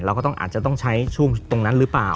ก็ต้องอาจจะต้องใช้ช่วงตรงนั้นหรือเปล่า